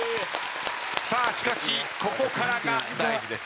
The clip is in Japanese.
しかしここからが大事です。